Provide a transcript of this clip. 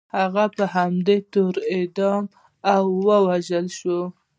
هغه په همدې تور اعدام او ووژل شو.